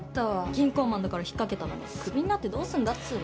銀行マンだから引っ掛けたのにクビになってどうすんだっつうの。